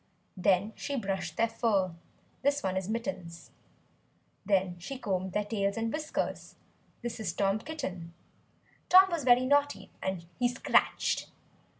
Then she brushed their fur, (this one is Mittens). Then she combed their tails and whiskers (this is Tom Kitten). Tom was very naughty, and he scratched.